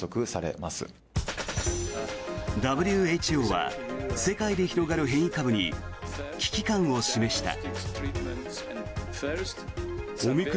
ＷＨＯは世界で広がる変異株に危機感を示した。